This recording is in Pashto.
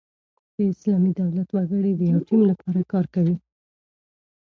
د اسلامي دولت وګړي د یوه ټیم له پاره کار کوي.